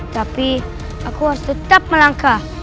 tapi aku harus tetap melangkah